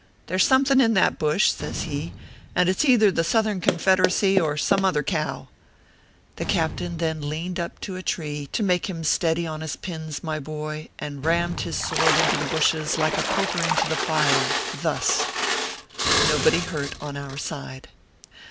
There s something in that bush," says he, "and it s either the Southern Confederacy, or some other cow." ORPHEUS C. KERR PAPERS. 155 The captain then leaned up to a tree to make him steady on his pins, my boy, and rammed his sword into the bushes like a poker into a fire thus : Nobody hurt on our side.